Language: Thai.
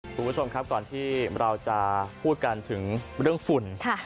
คุณผู้ชมครับก่อนที่เราจะพูดกันถึงเรื่องฝุ่น